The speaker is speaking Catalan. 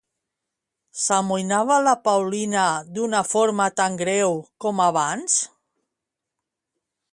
S'amoïnava la Paulina d'una forma tan greu com abans?